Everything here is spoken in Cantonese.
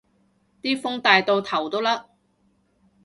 啲風大到頭都甩